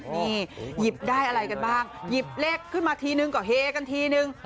นี่หยิบได้อะไรกันบ้างหยิบเลขขึ้นมาทีนึงก็เฮกันทีนึง